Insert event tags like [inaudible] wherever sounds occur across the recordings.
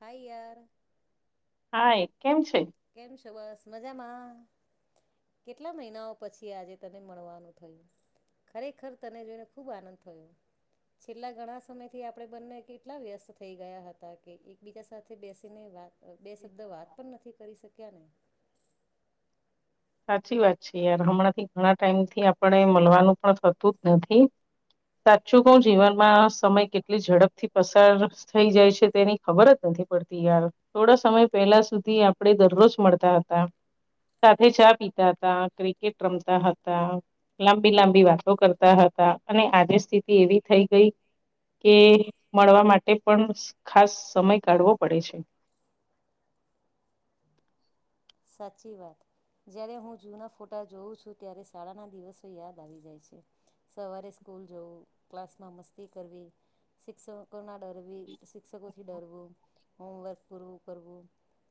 High યાર. Hi કેમ છે. કેમ છો બસ મજામાં. કેટલા મહિનાઓ પછી આજે તને મળવાનું થયું. ખરેખર તને જોઈને ખુબ આનંદ થયો. છેલ્લા ઘણા સમયથી આપણે બંને કેટલા વ્યસ્ત થઈ ગયા હતા કે એકબીજા સાથે બેસીને વાત બે શબ્દ વાત પણ નથી કરી શક્યા ને. સાચી વાત છે યાર હમણાં થી ઘણા ટાઈમ થી આપડે મલવાનું પણ થતુ જ નથી સાચું કહુ જીવનમાં સમય કેટલી ઝડપથી પસાર થઈ જાય છે તેની ખબર જ નથી પડતી યાર. થોડા સમય પહેલા સુધી આપણે દરરોજ મળતા હતા. સાથે ચા પીતા હતા ક્રિકેટ રમતા હતા લાંબી લાંબી વાતો કરતા હતા અને આજે સ્થિતિ એવી થઈ ગઈ કે મળવા માટે પણ ખાસ સમય કાઢવો પડે છે. સાચી વાત. જ્યારે હું જૂના ફોટા જોઉં છું ત્યારે શાળાના દિવસો યાદ આવી જાય છે. સવારે સ્કૂલ જવું ક્લાસમાં મસ્તી કરવી શિક્ષકોના ડરવી શિક્ષકો થી ડરવું હોમવર્ક પૂરું કરવું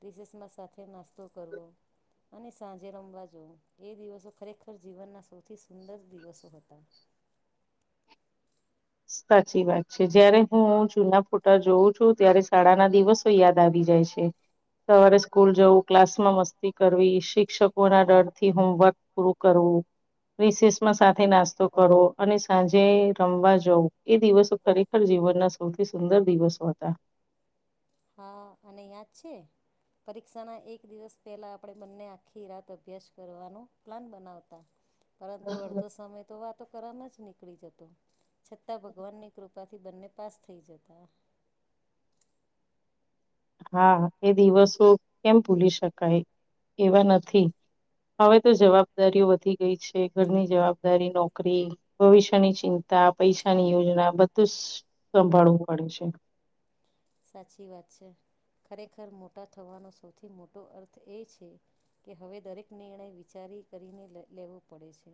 રિસેસમાં સાથે નાસ્તો કરવો અને સાંજે રમવા જવુ એ દિવસો ખરેખર જીવનના સૌથી સુંદર દિવસો હતા. સાચી વાત છે જયારે હું જૂના ફોટા જોઉં છું ત્યારે શાળા ના દિવસો યાદ આવી જાય છે. સવારે સ્કૂલ જવું ક્લાસમાં મસ્તી કરવી શિક્ષકોના ડરથી હોમવર્ક પૂરું કરવું રિશેષમાં સાથે નાસ્તો કરો અને સાંજે રમવા જવુ એ દિવસો ખરેખર જીવનના સૌથી સુંદર દિવસો હતા. હા અને યાદ છે પરીક્ષાના એક દિવસ પહેલા આપણે બંને આખી રાત અભ્યાસ કરવાનો પ્લાન બનાવતા. પરંતુ અડધો સમય તો વાતો કરવામાં જ નીકળી જતો છતાં ભગવાનની કૃપાથી થી બંને પાસ થઈ જતા. હા એ દિવસો કેમ ભૂલી શકાય એવા નથી. હવે, તો જવાબદારીઓ વધી ગઈ છે. ઘરની જવાબદારી નોકરી ભવિષ્યની ચિંતા, પૈસાની યોજના બધું જ સંભાળવું પડે છે. સાચી વાત છે. ખરેખર મોટા થવાનો સૌથી મોટો અર્થ એ છે કે હવે, દરેક નિર્ણય વિચારી કરીને લેવો પડે છે.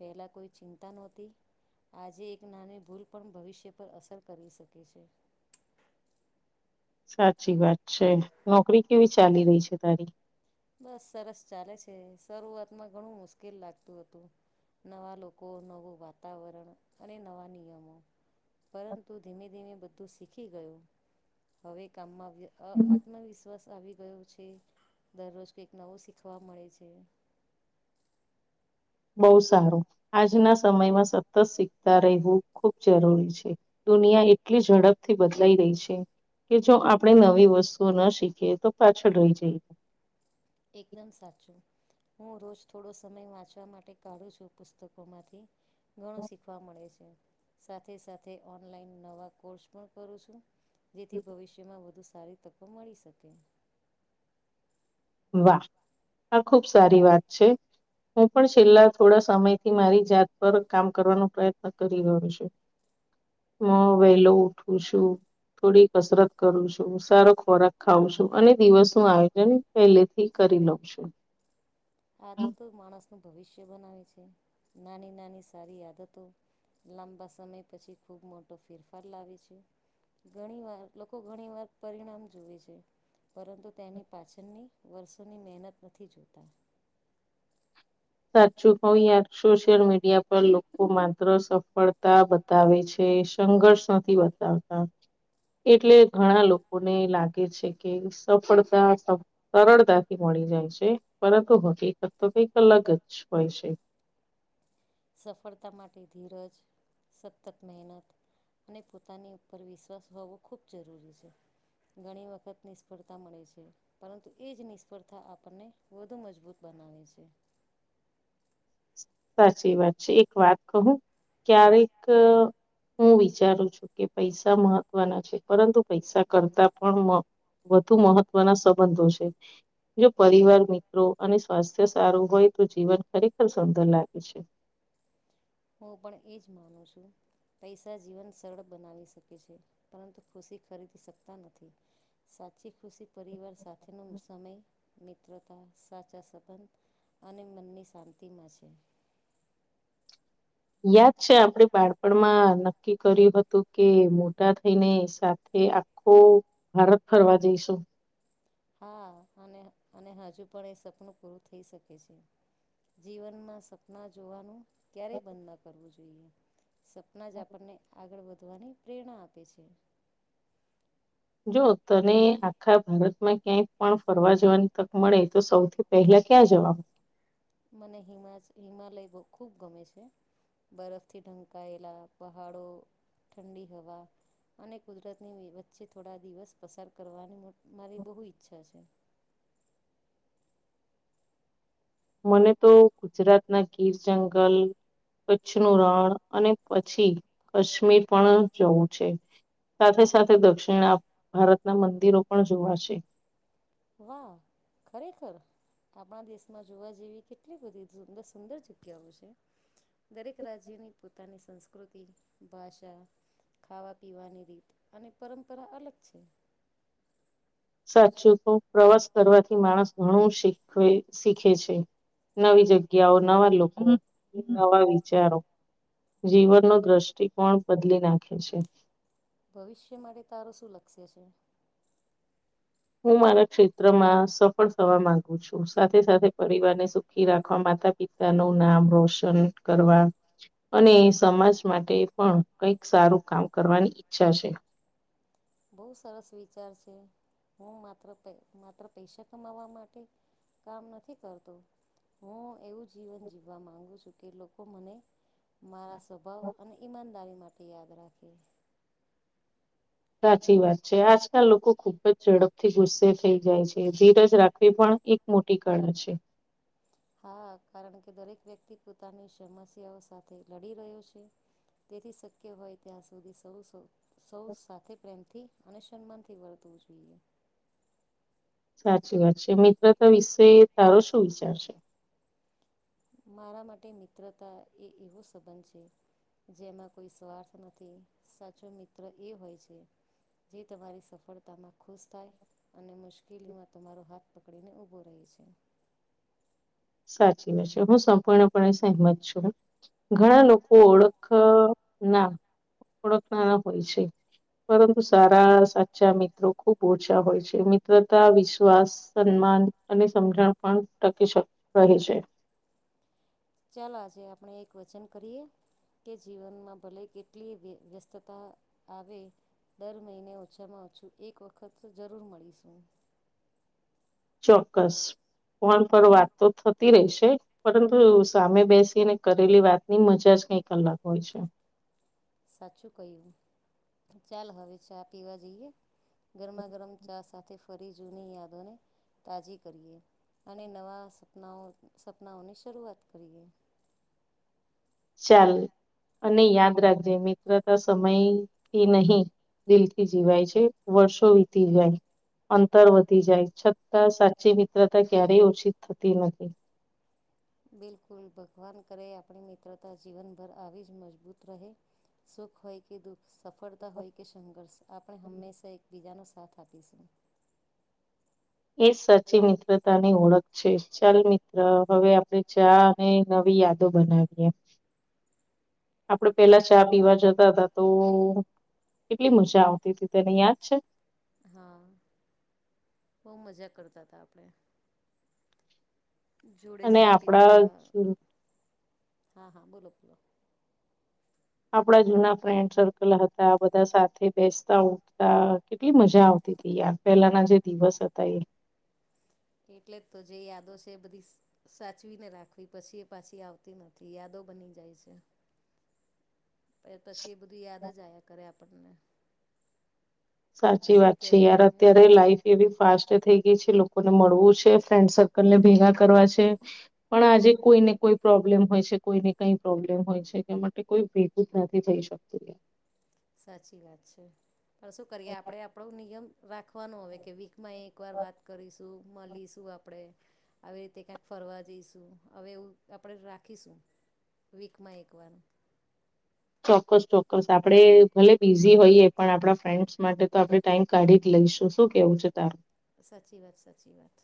પહેલાં કોઈ ચિંતા નહોતી, આજે એક નાની ભૂલ પણ ભવિષ્ય પર અસર કરી શકે છે. સાચી વાત છે. નોકરી કેવી ચાલી રહી છે તારી? બસ, સરસ ચાલે છે. શરૂઆતમાં ઘણું મુશ્કેલ લાગતું હતું. નવા લોકો, નવું વાતાવરણ અને નવા નિયમો પરંતુ ધીમે ધીમે બધું શીખી ગયું. હવે, કામમાં વ્ય અ હમ. આત્મવિશ્વાસ આવી ગયો છે. દરરોજ કંઈક નવું શીખવા મળે છે. બોવ સારું. આજના સમયમાં સતત શીખતા રહેવું ખૂબ જરૂરી છે. દુનિયા એટલી ઝડપથી બદલાઈ રહી છે કે જો આપણે નવી વસ્તુઓ ના શીખીએ તો, પાછળ રહી જઈએ. એકદમ સાચું. હું રોજ થોડો સમય વાંચવા માટે કાઢું છું. પુસ્તકોમાંથી ઘણું શીખવા મળે છે. સાથે સાથે ઓનલાઈન નવા કોર્સ પણ કરું છું. જેથી ભવિષ્ય માં વધુ સારી તકો મળી શકે. વાહ! આ ખૂબ સારી વાત છે. હું પણ છેલ્લા થોડા સમયથી મારી જાત પર કામ કરવાનો પ્રયત્ન કરી રહ્યો છું. હું વેહલો ઉઠું છું. થોડી કસરત કરું છું, સારો ખોરાક ખાવં છું અને દિવસનું આયોજન પહેલેથી કરી લઉં છું. આદતો માણસનું ભવિષ્ય બનાવે છે. નાની નાની સારી આદતો લાંબા સમય પછી ખુબ મોટો ફેરફાર લાવે છે. ઘણીવાર લોકો ઘણીવાર પરિણામ જુવે છે. પરંતુ તેની પાછળની વર્ષોની મહેનત નથી જોતા. સાચું કવ યાર સોશિયલ મીડિયા પર લોકો માત્ર સફળતા બ તાવે છે સંઘર્ષ નથી બતાવતા. એટલે ઘણા લોકોને લાગે છે કે સફળતા સ સરળતાથી મળી જાય છે પરંતુ હકીકત તો કઈક અલગ જ હોય છે. સફળતા માટે ધીરજ, સતત મહેનત ને પોતાની ઉપર વિશ્વાસ હોવો ખૂબ જરૂરી છે. ઘણી વખત નિષ્ફળતા મળે છે પરંતુ એ જ નિષ્ફળતા આપણને વધુ મજબૂત બનાવે છે. સાચી વાત છે એક વાત કહું, ક્યારેક હું વિચારું છું કે પૈસા મહત્વના છે પરંતુ પૈસા કરતા પણ મ વધુ મહત્વના સંબંધો છે. જો પરિવાર મિત્રો અને સ્વાસ્થ્ય સારું હોય તો જીવન ખરેખર સુંદર લાગે છે. હું પણ એજ માનું છું. પૈસા જીવન સરળ બનાવી શકે છે પરંતુ ખુશી ખરીદી શકતા નથી. સાચી ખુશી પરિવાર સાથેનો સમય મિત્રતા, સાચા સંબંધ અને મનની શાંતિમાં છે. યાદ છે આપડે બાળપણમાં નક્કી કર્યું હતું કે મોટા થઈને સાથે આખો ભારત ફરવા જઈશું. હા અને અને હજુ પણ એ સપનું પૂરું થઈ શકે છે. જીવન માં સપના જોવાનું ક્યારેય બંધ ન કરવું જોઈએ સપના જ આપણને આગળ વધવાની પ્રેરણા આપે છે. જો તને આખા ભારતમાં ક્યાંક પણ ફરવા જવાની તક મળે તો સૌથી પેહેલા ક્યાં જવાનું? મને હિ હિમાલય ખૂબ ગમે છે. બરફથી ઢંકાયેલા પહાડો ઠંડી હવા અને કુદરતની વચ્ચે થોડા દિવસ પસાર કરવાની મો મારી બહુ ઈચ્છા છે. મને તો ગુજરાતના ગીર જંગલ કચ્છનું રણ અને પછી કશ્મીર પણ જવું છે. સાથે સાથે દક્ષિણ ભારતના મંદિરો પણ જોવા છે. વાહ ખરેખર. આપણા દેશમાં જોવા જેવી કેટલી બધી સુંદર સુંદર જગ્યાઓ છે. દરેક રાજ્યની પોતાની સંસ્કૃતિ ભાષા ખાવા પીવાની રીત અને પરંપરા અલગ છે. સાચું કવ પ્રવાસ કરવાથી માણસ ઘણું શીખવે શીખે છે. નવી જગ્યાઓ નવા લોકો નવા વિચારો જીવનનો દ્રષ્ટિકોણ બદલી નાખે છે. ભવિષ્ય માટે તારું શું લક્ષ્ય છે હું મારા ક્ષેત્રમાં સફળ થવા માંગુ છું સાથે સાથે પરિવાર ને સુખી રાખવા માતા પિતા નું નામ રોશન કરવા. અને સમાજ માટે પણ કઈક સારું કામ કરવાની ઈચ્છા છે. બહુ સરસ વિચાર છે હું માત્ર પ માત્ર પૈસા કમાવવા માટે કામ નથી કરતો હું એવું જીવન જીવવા માંગુ છું કે લોકો મને મારા સ્વભાવ અને ઈમાનદારી માટે યાદ રાખે. સાચી વાત છે આજકાલ લોકો ખુબ પછી ઝડપથી ગુસ્સે થઈ જાય છે ધીરજ રાખવી પણ એક મોટી કાળા છે. હા કારણ કે દરેક વ્યક્તિ પોતાની સમસ્યાઓ સાથે લડી રહ્યો છે. તેથી શક્ય હોય ત્યાં સુધી સૌ સૌ સૌ સાથે પ્રેમથી અને સન્માન થી વર્તવું જોઈએ. સાચી વાત છે મિત્રતા વિશે તારો શું વિચાર છે. મારા માટે મિત્રતા એ એવો સંબંધ છે. જેમાં કોઈ સ્વાર્થ નથી સાચો મિત્ર એ હોય છે. જે તમારી સફળતામાં ખુશ થાય અને મુશ્કેલીમાં તમારો હાથ પકડીને ઊભો રહે છે. સાચી વાત છે હું સંપૂર્ણપણે સહમત છું ઘણા લોકો ઓળખ ના ઓળખના ના હોય છે. પરંતુ સારા સાચા મિત્રો ખુબ ઓછા હોય છે મિત્રતા વિશ્વાસ સન્માન અને સમજણ પણ ટકી શકવાની છે. ચાલો આજે એક વચન કરીએ કે જીવનમાં ભલે કેટલી વ વ્યસ્તતા આવે દર મહિને ઓછામાં ઓછું એક વખત તો જરૂર મળીશું. ચોક્કસ કોણ પર વાત તો થતી રહેશે પરંતુ સામે બેસીને કરેલી વાતની મજા જ કઈ અલગ હોય છે. સાચું કયું ચાલ હવે ચા પીવા જઈએ. ગરમા ગરમ ચા સાથે ફરી જૂની યાદોને તાજી કરીએ અને નવા સપનાઓ સપનાઓની શરૂઆત કરીએ. ચાલ અને યાદ રાખજે મિત્રતા સમયથી નહી દિલ થી જીવાય છે વર્ષો વીતી જાય. અંતર વધી જાય છતાં સાચી મિત્રતા ક્યારેય ઓછી થતી નથી. બિલકુલ ભગવાન કરે આપણી મિત્રતા જીવનભર આવી જ મજબૂત રહે. સુખ હોય કે દુઃખ સફળતા હોય કે સંઘર્ષ આપણે હંમેશા એકબીજાનો સાથ આપીશું એ સાચી મિત્રતાની ઓળખ છે ચાલ મિત્ર હવે આપડે ચા ને નવી યાદો બનાવીએ. [unintelligible] આપડે પેલા ચા પીવા જતા તા તો કેટલી મજા આવતી હતી તને યાદ છે. હા બહુ મજા કરતા હતા આપણે જોડે અને ચા આપડા પીતા હા હા બોલો બોલો આપડા જૂના ફ્રેન્ડ સર્કલ હતા બધા સાથે બેસતા ઊઠતા કેટલી મજા આવતી હતી યાર પહેલાના જે દિવસ હતા એ કે એટલે તો જે યાદો છે બધી સાચવી ને રાખવી પછી એ પાછી આવતી નથી યાદો બની જાય છે. પ પછી એ બધું યાદ જ આયા કરે આપણને સાચી શું વાત છે કેવું યાર અત્યારે હમ લાઈફ એવી ફાસ્ટ થઈ ગઈ છે લોકોને મળવું છે ફ્રેન્ડ સર્કલ ને ભેગા કરવા છે. પણ આજે કોઈને કોઈ પ્રોબ્લેમ હોય છે કોઈને કઈ પ્રોબ્લેમ હોય છે એ માટે કોઈ ભેગું જ નથી થઈ શ શક સાચી વાત છે. પણ શું કરીએ આપણે આપણો નિયમ રાખવાનો હો કે વીકમાં એક વાર વાત કરીશું મળીશું. આપણે આવી રીતે ક્યાંક ફરવા જઈશું હવે એવું આપણેે રાખીશું વિકમા એકવાર ચોક્કસ ચોક્કસ આપણે ભલે બિઝી હોઈએ પણ આપણા ફ્રેન્ડ્સ માટે તો આપણે ટાઈમ કાઢી જ લઈશું શું કેવું છે તારું સાચી વાત સાચી વાત.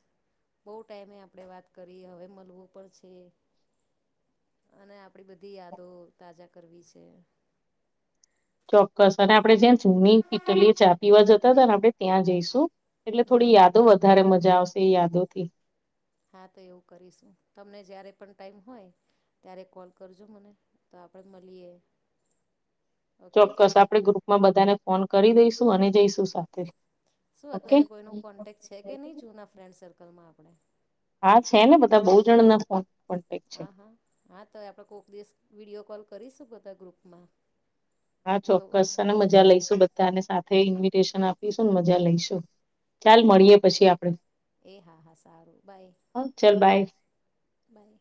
બહુ ટાઈમે આપણેે વાત કરી હવે મળવું પડશે. અને આપડી બધી યાદો તાજા કરવી છે. ચોક્કસ અને આપડે જ્યાં જૂની કીટલીએ ચા પીવા જતા હતા ને આપડે ત્યાં જઈશું. એટલે હમ થોડી હમ યાદો વધારે મજા આવશે એ યાદો થી. હા તો એવું કરીશું. તમને જયારે પણ ટાઈમ હોય ત્યારે કોલ કરજો મને તો આપણે મલીએ. ચોક્કસ આપણે ગ્રુપમાં બધાને ફોન કરી દઈશું અને જઈશું સાથે. શું ઓકે અત્યારે કોઈનો કોન્ટેક્ટ છે કે નહી જુના ફ્રેન્ડ સર્કલમાં આપડે? હા છે ને બધા બહુ જણના ફોન કોન્ટેક છે હા હા હા તો આપડે કોઈક દિવસ વિડીયો કોલ કરીશું બધા ગ્રુપમાં. હા તો ચોક્કસ અનેન મજા લઈશું બધ બધાને સાથે ઇન્વીિટેશન આપીશું અને મજા લઈશું ચાલ મળીએ પછી આપડે. એ હા હા સારું બાય. ચાલ બાય. હમ્મ